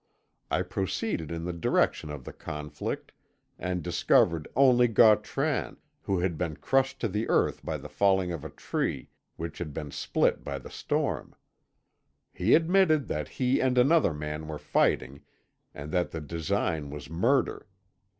I proceeded in the direction of the conflict, and discovered only Gautran, who had been crushed to the earth by the falling of a tree which had been split by the storm. He admitted that he and another man were fighting, and that the design was murder.